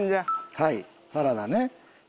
はいサラダね。